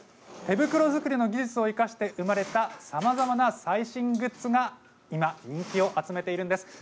手袋作りの技術を生かしたさまざまなグッズが今、人気を集めています。